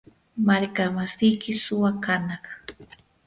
markamasiyki suwa kanaq.